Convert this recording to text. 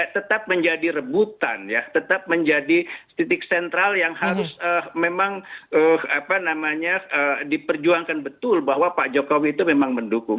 tetap menjadi rebutan ya tetap menjadi titik sentral yang harus memang apa namanya diperjuangkan betul bahwa pak jokowi itu memang mendukung